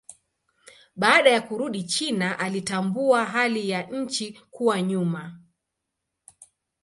Baada ya kurudi China alitambua hali ya nchi kuwa nyuma.